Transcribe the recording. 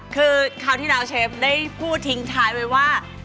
คือคราวที่แล้วเชฟได้พูดทิ้งท้ายไว้ว่า